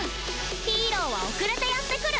ヒーローは遅れてやってくる！